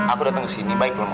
aku datang ke sini baik belum